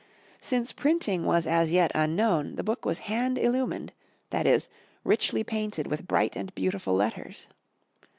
Since printing was as yet unknown, the book was hand illumined; that is, richly painted with bright and beau tiful letters.